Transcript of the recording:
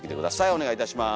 お願いいたします。